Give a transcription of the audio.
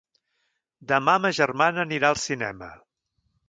Demà ma germana anirà al cinema.